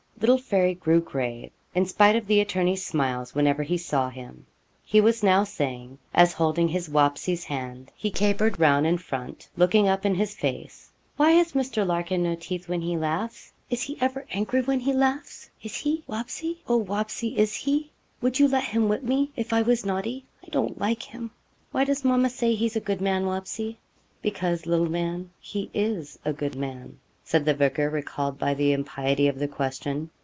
Little Fairy grew grave, in spite of the attorney's smiles, whenever he saw him. He was now saying as holding his 'Wapsie's' hand, he capered round in front, looking up in his face 'Why has Mr. Larkin no teeth when he laughs? Is he ever angry when he laughs is he, Wapsie oh, Wapsie, is he? Would you let him whip me, if I was naughty? I don't like him. Why does mamma say he is a good man, Wapsie?' 'Because, little man, he is a good man,' said the vicar, recalled by the impiety of the question.